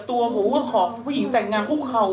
เปิดตัวหูขอผู้หญิงแต่งงานคู่เขา